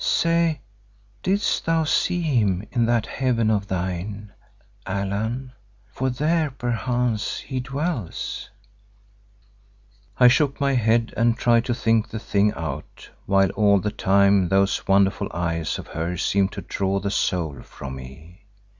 Say, didst thou see him in that Heaven of thine, Allan, for there perchance he dwells?" I shook my head and tried to think the thing out while all the time those wonderful eyes of hers seemed to draw the soul from me.